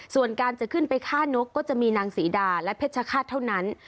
ส่วนการจะขึ้นไปฆ่านกก็จะมีนางศรีดาและเพชรฆาตเท่านั้น